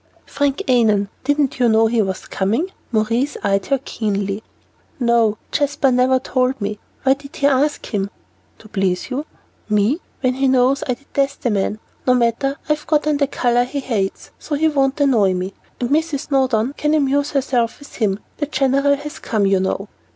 "Frank Annon. Didn't you know he was coming?" Maurice eyed her keenly. "No, Jasper never told me. Why did he ask him?" "To please you." "Me! When he knows I detest the man. No matter, I've got on the color he hates, so he won't annoy me, and Mrs. Snowdon can amuse herself with him. The general has come, you know?"